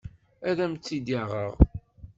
Ad am-t-id-aɣeɣ.